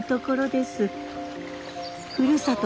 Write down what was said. ふるさと